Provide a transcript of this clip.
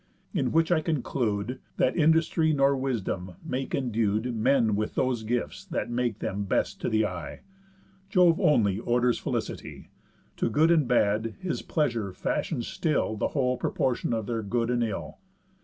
In which I conclude, That industry nor wisdom make endued Men with those gifts that make them best to th' eye; Jove only orders man's felicity. To good and bad his pleasure fashions still The whole proportion of their good and ill.